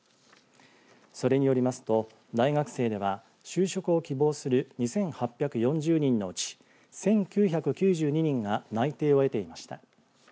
それによりますと大学生では、就職を希望する２８４０人のうち１９９２人が内定を得ていました。